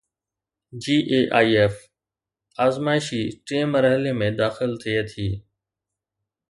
GAIF آزمائشي ٽئين مرحلي ۾ داخل ٿئي ٿي